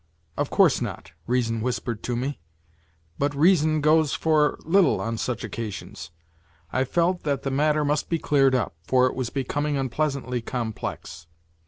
"Of course not," reason whispered to me. But reason goes for little on such occasions. I felt that the matter must be cleared up, for it was becoming unpleasantly complex.